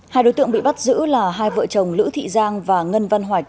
hai đối tượng bị bắt giữ là hai vợ chồng lữ thị giang và ngân văn hoạch